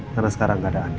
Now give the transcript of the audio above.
karena sekarang gak ada andi